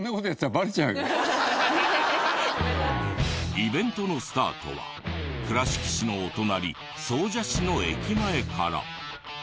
イベントのスタートは倉敷市のお隣総社市の駅前から。